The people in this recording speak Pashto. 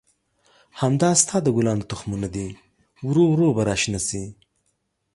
همدا ستا د ګلانو تخمونه دي، ورو ورو به را شنه شي.